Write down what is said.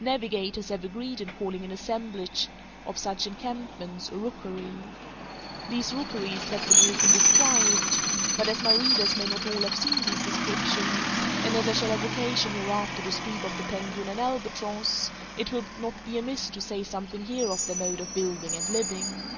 Navigators have agreed in calling an assemblage of such encampments a rookery. These rookeries have been often described, but as my readers may not all have seen these descriptions, and as I shall have occasion hereafter to speak of the penguin and albatross, it will not be amiss to say something here of their mode of building and living.